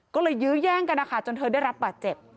ก็เลยยื้อแย่งกันนะคะจนเธอได้รับบาดเจ็บ